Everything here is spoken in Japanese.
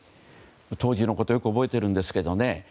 当時のことをよく覚えているんですけどね。